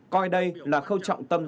coi đây là khâu trọng tâm